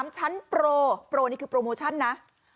๓ชั้นโปรโปรนี่คือโปรโมชั่นนะ